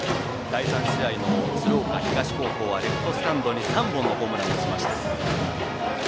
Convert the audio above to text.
第３試合の鶴岡東高校はレフトスタンドに３本のホームランを打ちました。